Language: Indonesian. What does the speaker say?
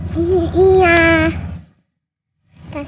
kasih ya tante